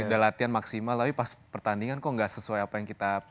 udah latihan maksimal tapi pas pertandingan kok nggak sesuai apa yang kita